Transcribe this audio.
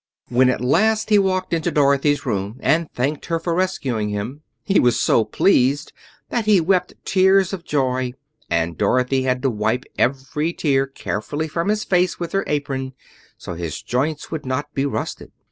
When, at last, he walked into Dorothy's room and thanked her for rescuing him, he was so pleased that he wept tears of joy, and Dorothy had to wipe every tear carefully from his face with her apron, so his joints would not be rusted.